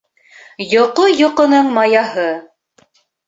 Йоҡо йоҡоноң маяһы.